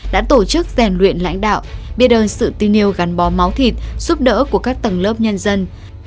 đã tổ chức rèn luyện lãnh đạo biết ơn sự tin yêu gắn bó máu thịt giúp đỡ của các tầng lớp nhân dân